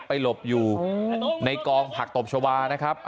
หลบอยู่ในกองผักตบชาวานะครับ